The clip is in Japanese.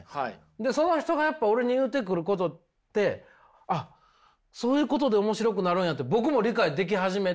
その人がやっぱ俺に言ってくることってそういうことで面白くなるんやって僕も理解でき始めて。